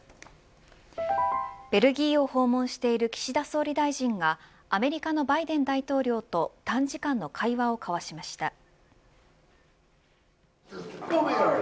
ベルギーを訪問している岸田総理大臣がアメリカのバイデン大統領と短時間の会話を交わしました。